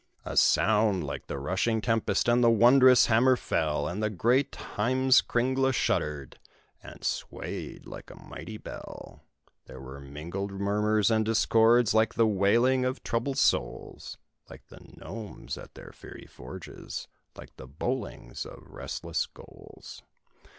A sound like the rushing tempest, and the wondrous hammer fell, And the great Heimskringla shuddered, and swayed like a mighty bell. There were mingled murmurs and discords, like the wailing of troubled souls; Like the gnomes at their fiery forges like the bowlings of restless ghouls.